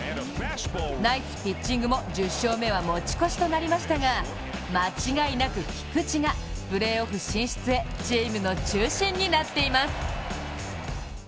ナイスピッチングも１０勝目は持ち越しとなりましたが、間違いなく菊池がプレーオフ進出へチームの中心になっています。